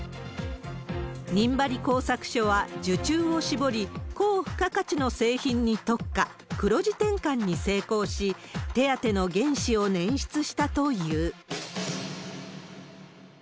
仁張工作所は受注を絞り、高付加価値の製品に特化、黒字転換に成功し、手当の原資を捻出したという。